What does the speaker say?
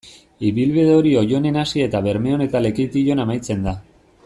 Ibilbide hori Oionen hasi eta Bermeon eta Lekeition amaitzen da.